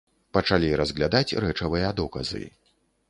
Пачалі разглядаць рэчавыя доказы.